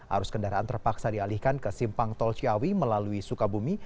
arus kendaraan terpaksa dialihkan ke simpang tol ciawi melalui sukabumi